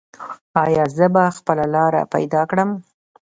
ایا زه به خپله لاره پیدا کړم؟